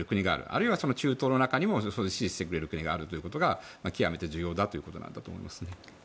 あるいは中東の中にも支持してくれる国があることが極めて重要だということなんだと思います。